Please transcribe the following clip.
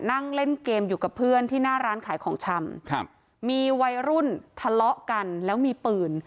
นั่งเล่นเกมอยู่กับเพื่อนที่หน้าร้านขายของชำครับมีวัยรุ่นทะเลาะกันแล้วมีปืน